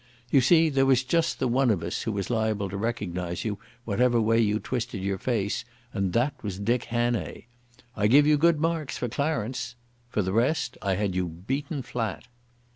You see, there was just the one of us who was liable to recognise you whatever way you twisted your face, and that was Dick Hannay. I give you good marks for Clarence.... For the rest, I had you beaten flat."